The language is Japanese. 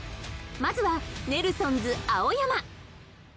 まずはネルソンズ青山